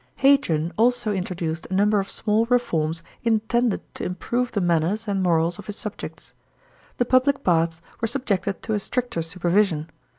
Hadrian also introduced a number of small reforms in tended to improve the manners and morals of his subjects. The public baths weie subjected to a stricter supervision.